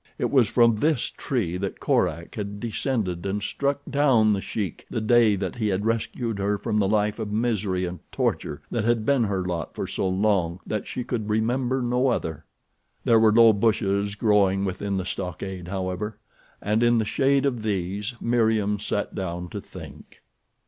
It was from this tree that Korak had descended and struck down The Sheik the day that he had rescued her from the life of misery and torture that had been her lot for so long that she could remember no other. There were low bushes growing within the stockade, however, and in the shade of these Meriem sat down to think.